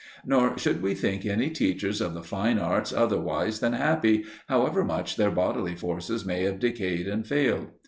Nor should we think any teachers of the fine arts otherwise than happy, however much their bodily forces may have decayed and failed.